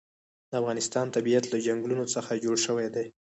د افغانستان طبیعت له چنګلونه څخه جوړ شوی دی.